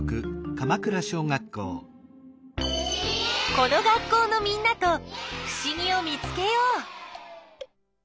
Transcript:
この学校のみんなとふしぎを見つけよう。